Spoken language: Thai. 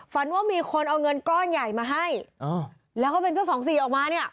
ฝันว่ามีคนเอาเงินก้อนใหญ่มาให้แล้วก็เป็นเจ้าสองสี่ออกมาเนี่ย